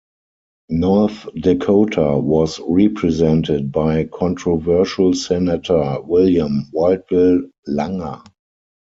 North Dakota was represented by controversial Senator William "Wild Bill" Langer.